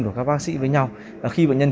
của các bác sĩ với nhau khi bệnh nhân